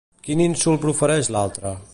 Quin insult profereix l'altra?